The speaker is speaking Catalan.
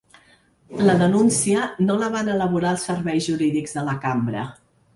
La denúncia no la van elaborar els serveis jurídics de la cambra.